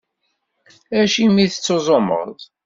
Acimi i tettuẓumeḍ?